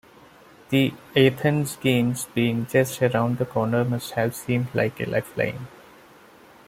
The Athens games being just around the corner must have seemed like a lifeline.